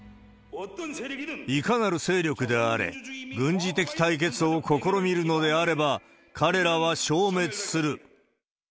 いかなる勢力であれ、軍事的対決を試みるのであれば、彼らは消滅する。